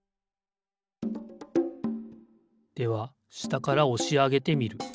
ではしたからおしあげてみる。